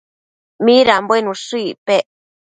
midanbuen ushë icpec?